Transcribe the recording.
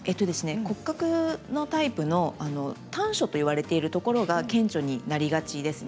骨格タイプの短所といわれているところが顕著になりがちですよね。